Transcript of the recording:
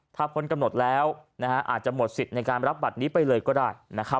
ถ้าพ้นกำหนดแล้วอาจจะหมดสิทธิ์ในการรับบัตรนี้ไปเลยก็ได้